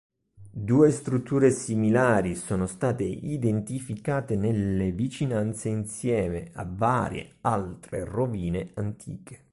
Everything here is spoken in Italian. Due strutture similari sono state identificate nelle vicinanze insieme a varie altre rovine antiche.